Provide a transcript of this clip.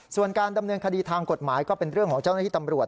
ส่วนการดำเนินคดีทางกฎหมายก็เป็นเรื่องของเจ้าหน้าที่ตำรวจ